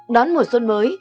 đón mùa xuân mới